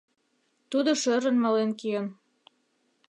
Тудо шӧрын мален киен.